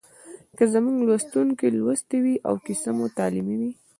که زموږ لوستونکي لوستې وي او کیسه مو تعلیمي وي